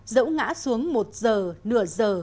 dẫu ngã xuống một giờ nửa giờ